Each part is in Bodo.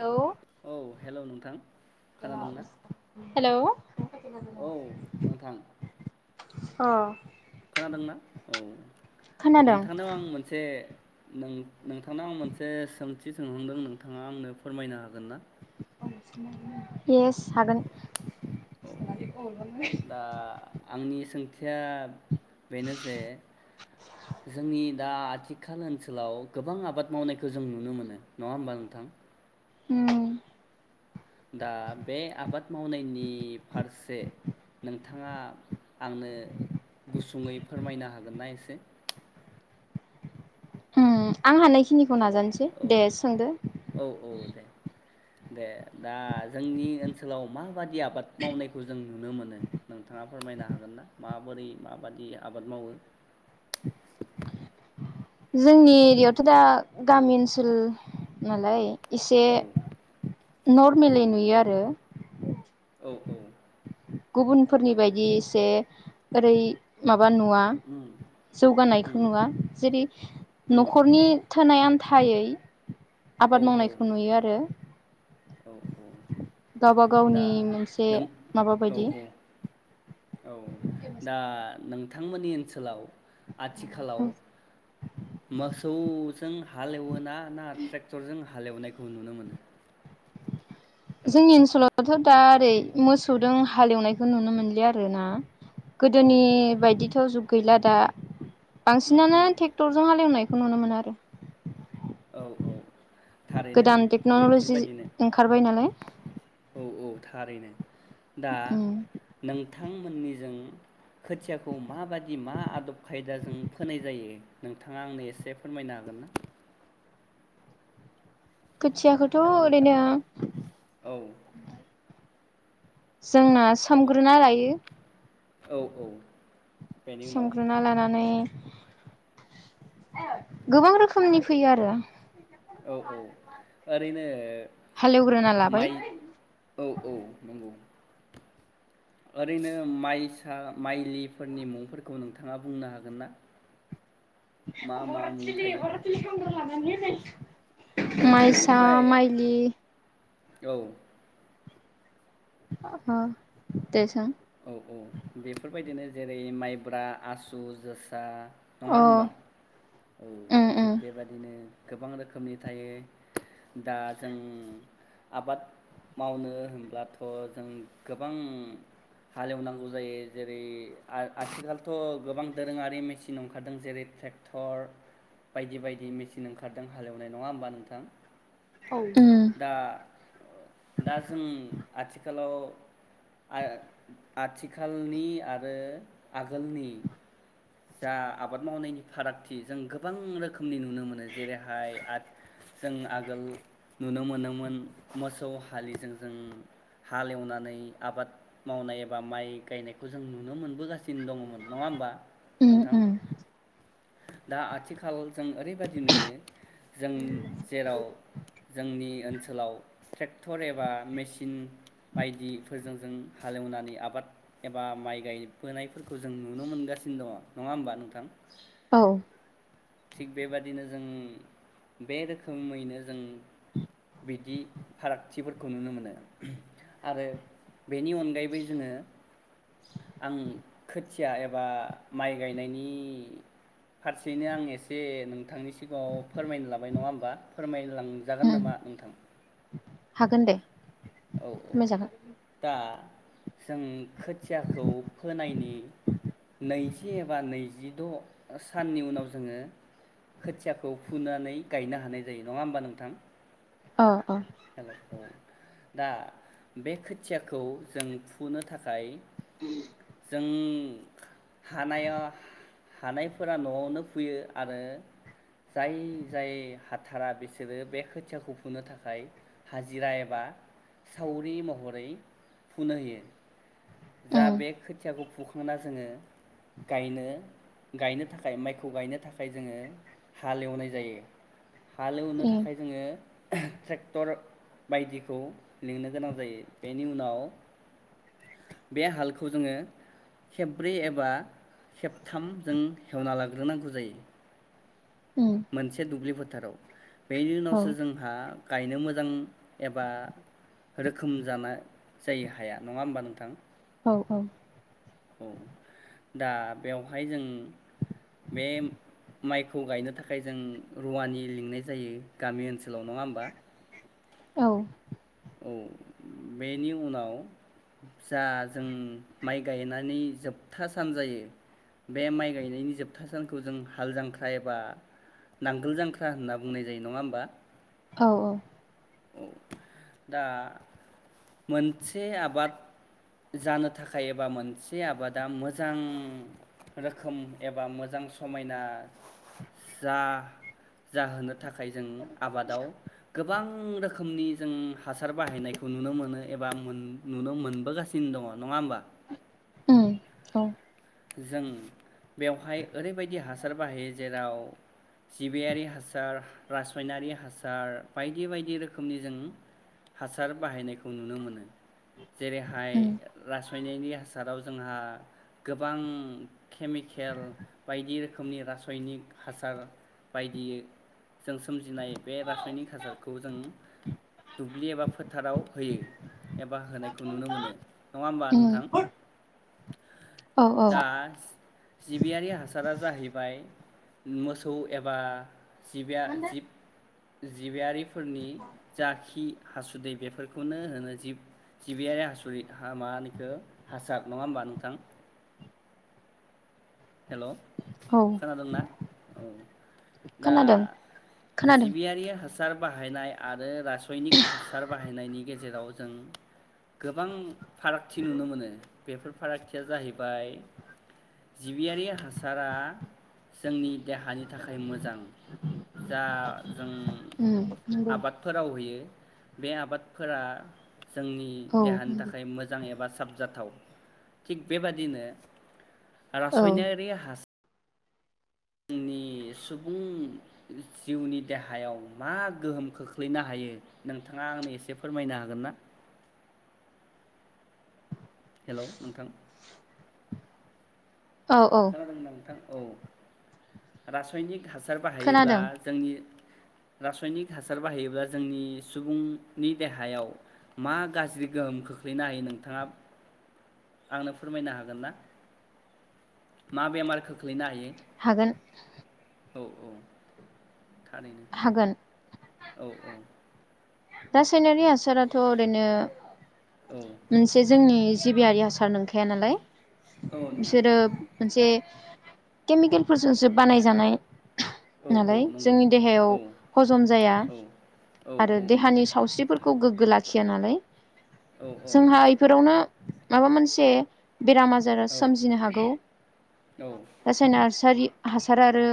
हेलौ औ हेल' नोंथां खोनादोंना हेलौ औ नोंथां। अ। खोनादोंना औ। खोनादों नोंथांनाव आं मोनसे नों नोंथांनाव आं मोनसे सोंथि सोंहांदों नोंथाङा आंनो फोरमायनो हागोन ना? इएस। औ दा आंनि सों थिया बेनो जे जोंनि दा आथिखाल ओनसोलाव गोबां आबाद मावनायखौ जों नुनो मोनो नङा होमबा नोंथां। ओम। दा बे आबाद मावनायनि फारसे नोंथाङा आंनो गुसुङै फोरमायनो हागोनना एसे? आं हानायखि निखौ हेलौ नाजानोसै औ दे सोंदो। औ औ दे दे दा जोंनि ओनसोलाव माबादि आबाद मावनायखौ जों नुनो मोनो नोंथाङा फोरमायनो हागोन ना माबोरै माबादि आबाद मावो? जोंनि एरियायावथ' दा गामि ओनसोल नालाय एसे औ नरमेलै नुयो औ आरो। औ औ। गुबुनफोरनि औ बायदि एसे ओरै मा बा नुवा उम उम जौगानायखौ नुवा जेरै उम नखरनि थोनाय आ न्थायै औ आबाद औ मावनायखौ नुयो आरो। औ औ गावबा दा गावनि मोनसे नों माबा औ बायदि औ औ दा नों नोंथांमोननि ओनसोलाव आथिखालाव मोसौ जों हालेवो ना ना ट्रेक्टर जों हालेवनायखौ नुनो मोनो हेलौ जोंनि ओनसोलाव थ' दा ओरै मोसौदों हालेवनायखौ नुनो मोनलिया आरोना औ गोदोनि औ बायदिथ' जुग गैला दा उम बांसिनानो उम ट्रेक्टरजों हालेवनाय खौ नुनो मोनो आरो औ औ थारैनो गोदान टेक्न'ल'जि बेफोरबायदिनो ओंखारबाय नालाय औ औ थारैनो दा उम नों नोंथांमोननिजों खोथियाखौ माबादि मा आदब खायदाजों फोनाय जायो नोंथाङा आंनो एसे फोरमायनो हागोन ना खोथियाखौथ' हेल' नोंथां ओरैनो औ जोंना सोमग्रोना लायो। औ-औ। संग्रोना लानानै गोबां रोखोमनि फैयो आरो औ-औ ओरैनो हालेवग्रोना लाबाय माइ औ-औ नंगौ। ओरैनो माइसा माइलिफोरनि मुंफोरखौ नोंथाङा बुंनो हागोन ना। [unintelligible] मा मा मुं थायो [unintelligible] माइसा नोंथांनिफ्राय माइलि औ। अ-ओ दे सों। औ-औ बेफोरबायदिनो जेरै माइब्रा आसु जोसा नङा अ होनबा उम औ उम थिग बेबायदिनो गोबां रोखोमनि थायो दा जों आबाद मावनो होनब्लाथ' जों गोबां हाल एवनांगौ जायो जेरै आ-आथिखालथ' गोबां दोरोङारि मेचिन ओंखारदों जेरै ट्रेक्टर बायदि-बायदि मेचिन ओंखारदों हाल एवनाय नङा होमबा नोंथां। उम दा-दा जों आथि खालाव आ आथिखालनि आरो आगोलनि जा आबाद मावनायनि फारागथि जों गोबां रोखोम नि नुनो मोनो जेरैहाय आट जों आगोल नुनो मोनोमोन मोसौ हालिजों जों हाल एवनानै आबाद मावनाय एबा माइ गायनायखौ जों नुनो मोन बोगासिनो दङमोन नङा होमबा उम नोंथां। उम दा आथिखाल जों ओरैबायदि नुयो जों जेराव जोंनि ओनसोलाव ट्रेक्टर एबा मेचिन बायदिफोरजों जों हाल एवनानै आबाद एबा माइ गायबोनायफोरखौ जों नुनो मोनगासिनो दङ नङा होमबा नोंथां। औ। थिग बेबादिनो जों बे रोखोमैनो जों बिदि फारागथिफोरखौ नुनो मोनो आरो बेनि अनगायैबो जोङो आं खोथिया एबा माइ गायनायनि फारसेनो आं ए से नोंथांनि सिगाङाव फोरमायनो लाबाय नङा होमबा फोरमायलां जागोन उम नामा नोंथां। हागोन दे। औ-औ फोरमायजागोन। दा जों खोथियाखौ फोनायनि नैजि एबा नैजिद' साननि उनाव जोङो खोथियाखौ फुनानै गायनो हानाय जायो नङा होमबा नोंथां। औ- औ। हेल' औ दा बे खोथियाखौ जों फुनो थाखाय जों हानाया हानायफोरा न'आवनो फुयो आरो जाय-जाय हाथारा बिसोरो बे खोथियाखौ फुनो थाखाय हाजिरा एबा सावरि महरै फुनो होयो जा उम बे खोथियाखौ फुखांना जोङो गायनो-गायनो थाखाय माइखौ गायनो थाखाय जोङो हाल एवनाय जायो। हाल एवनो उम थाखाय जोङो ट्रे क्टर बायदिखौ लिंनो गोनां जायो बेनि उनाव बे हालखौ जोङो खेबब्रै एबा खेबथाम जों एवना लाग्रोनांगौ जायो। उम मोनसे दुब्लिफोर फोथाराव बेनि औ उनावसो जोंहा गायनो मोजां एबा रोखोम जानाय जायो हाया नङा होमबा नोंथां औ औ औ दा बेवहाय जों बे माइखौ गायनो थाखाय जों रुवानि लिंनाय जायो गामि ओनसोलाव नङा होमबा औ औ बेनि उनाव जा जों माइ गायनायनि जोबथा सान जायो बे माइ गायनायनि जोबथा सानखौ जों हाल जांख्रा एबा नांगोल जांख्रा होनना बुंनाय जायो नङा होमबा औ औ औ दा मोनसे आबाद जानो थाखाय एबा मोनसे आबादा मोजां रोखोम एबा मोजां समायना जा जाहोनो थाखाय जों आबादाव गोबां गोबां रोखोमनि जों हासार बाहायनायखौ नुनो मोनो एबा नुनो मोनबोगासिनो दङ नङा होमबा ओम औ जों बेवहाय ओरैबायदि हासार बाहायो जेराव जिबियारि हासार रासायनारि हासार बायदि बायदि रोखोमनि जों हासार बाहायनायखौ नुनो मोनो जेरैहाय उम रासायनारि हासाराव जोंहा गोबां केमिकेल बायदि रोखोमनि रासायनिक हासार बायदिै जों सोमजिनाय बे रासायनिक हासारखौ जों दुब्लि एबा फोथाराव होयो एबा होनायखौ नुनो मोनो नङा होमबा उम नोंथां औ औ दा जिबियारि हासारा जाहैबाय मोसौ एबा जिबि जिब जिबियारिफोरनि जा खि हासुदै बेफोरखौनो होनो जिब जिबियारि हासुदै मानिखौ हासार नङा होमबा नोंथां हेलौ औ खोनादोंना औ दा खोनादों खोनादों जिबियारिया हासार बाह बाहायनाय आरो रासायनिक हासार बाहायनायनि गेजेराव जों गोबां फारागथि नुनो मोनो बेफोर फारागथिया जाहैबाय जिबियारि हासारा जोंनि देहानि थाखाय मोजां जा जों उम नंगौ आबादफोराव होयो बे आबादफोरा जोंनि औ देहानि नंगौ थाखाय मोजां एबा साबजाथाव थिग बेबादिनो औ रासायनारि हास आंनि सुबुं जिउनि देहायाव मा गोहोम खोख्लैनो हायो नोंथाङा आंनो एसे फोरमायनो हागोन ना हेलौ नोंथां औ औ खोनादों नोंथां औ रासनिक हास हासार बाहायोब्ला खोनादों जोंनि रासायनिक हासार बाहायोब्ला जोंनि सुबुंनि देहायाव मा गाज्रि गोहोम खोख्लैनो हायो नोंथाङा आंनो फोरमायनो हागोन ना मा बेमार खोख्लैना हायो हागोन औ औ हागोन थारैनो औ औ रासायनारि हासाराथ' ओरैनो औ मोनसे जोंनि जिबियारि हासार नंखाया नालाय औ बिसोरो नंगौ मोनसे केमिकेलफोरजोंसो बानायजानाय औ औ नालाय नंगौ जोंनि देहायाव औ हजम जाया औ औ आरो नंगौ सावस्रिफोरखौ गोग्गो लाखिया नालाय औ औ जोंहा इफोरावनो माबा मोनसे बेराम आजारा औ सोमजिनो हागौ औ रासायनारि हासार आरो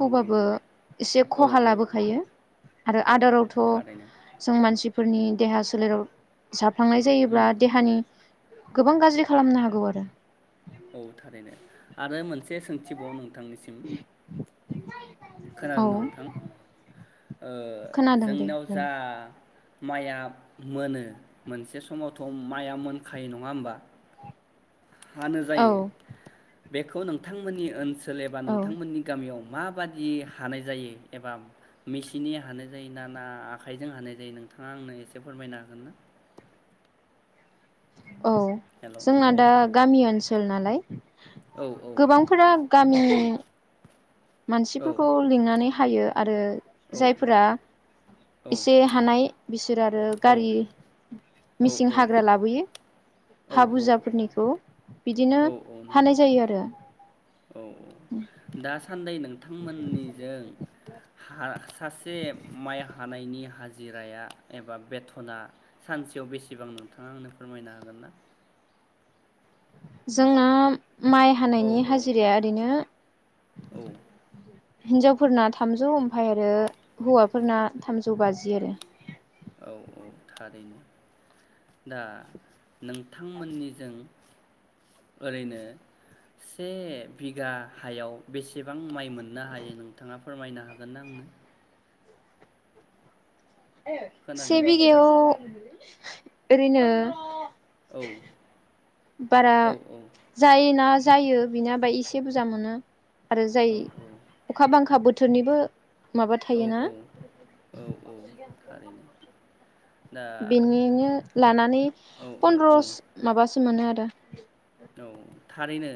नंगौ नंगौ एसे औ खहा लाबोखायो आरो औ आदारावथ' थारैनो जों मान नसिफोरनि देहा सोलेराव जा फ्लांनाय उम जायोब्ला देहानि गोबां गाज्रि खालामनो हागौ आरो। औ थारैनो आरो मोनसे सोंथिबाव नों थांनिसिम औ खोनादोंना नोंथां ओ खोनादों दे जोंनियाव बुं। जा माइया मोनो, मोनसे समावथ' माइया मोनखायो नङा होमबा हानो औ जायो बेखौ नोंथांमोननि ओनसोल एबा औ नोंथांमोननि गामियाव माबादि हानाय जायो एबा मेसिननि हानाय जायो ना ना आखाइजों हानाय जायो नोंथाङा आंनो एसे फोरमायनो हागोन ना? औ हेल' जोंना औ दा औ गामि ओनसो नालाय औ गोबांफोरा गामि मानसिफोरखौ औ लिंनानै हायो आरो औ जायफोरा औ एसे हानाय बिसोर आरो औ गारि मिसिन हाग्रा लाबोयो। हा औ औ बुरजाफोरनिखौ बिदिनो औ औ नंगौ हानाय जायो आरो। दासा न्दै नोंथांमोननिजों सासे माइ हानायनि हाजिराया एबा बेथना सानसेयाव बेसेबां नोंथाङा आंनो फोरमायनो हागोन ना? जोंना माइ औ हानायनि औ हाजिराया ओरैनो औ हिन्जावफोरना थामजौ ओमफ्राय आरो हौवाफोरना थामजौ बाजि आरो औ औ थारैनो दा नोंथांमोननिजों ओरैनो से बिगा हायाव बेसेबां माइ मोननो हायो नोंथाङा फोरमायनो हागोन ना आंनो से खोनादोंना बिगायाव नोंथां ओरैनो औ बारा औ औ जायोना जायो बिना एसे बुजा मोनो आरो जाय औ अखा बांखा बो थोरनिबो औ औ औ औ थारैनो दा बेनिनो लानानै औ औ फन्द्र औ माबासो मोनो आरो [unintelligible] औ थारैनो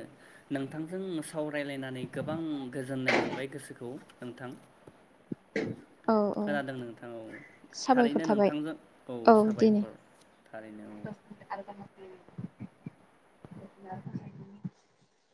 नोंथांजों सावरायलायनानै गोबां गोजोननाय मोनबाय गोसोखौ नोंथां [inaudible] खोनादों नोंथां औ साबायखर थारैनो थाबाय नोंथांजों औ साबायखर थारैनो औ [inaudible]